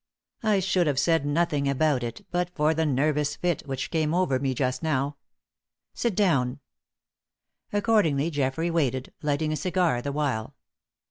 I should have said nothing about it but for the nervous fit which came over me just now. Sit down." Accordingly, Geoffrey waited, lighting a cigar the while.